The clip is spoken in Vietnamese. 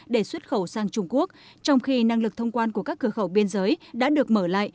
để xuất khẩu sang trung quốc trong khi năng lực thông quan của các cửa khẩu biên giới đã được mở lại